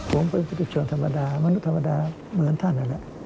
ผมเป็นผู้ชมธรรมดามนุษย์ธรรมดาเหมือนท่านนั้น